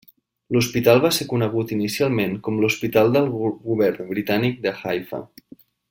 L'hospital va ser conegut inicialment com l'Hospital del Govern Britànic de Haifa.